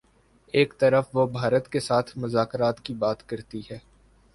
ایک طرف وہ بھارت کے ساتھ مذاکرات کی بات کرتی ہے۔